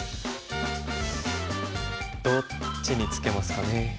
どっちにツケますかね。